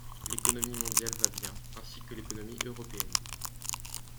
L’économie mondiale va bien, ainsi que l’économie européenne.